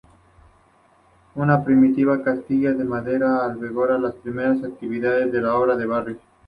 Una primitiva casilla de madera albergó las primeras actividades de Obra de Barrios.